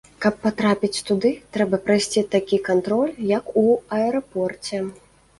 Каб патрапіць туды, трэба прайсці такі кантроль, як у аэрапорце.